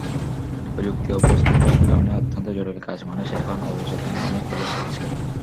প্রযুক্তি অভ্যস্ততার কারণে অত্যন্ত জটিল কাজ মানুষ এখন অবচেতন মনেই করে ফেলছে।